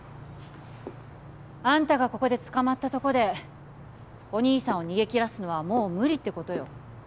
あんたがここで捕まったとこでお兄さんを逃げきらすのはもう無理ってことよ